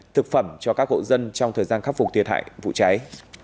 thực phẩm cho các hộ dân trong thời gian khắc phục thiệt hại vụ cháy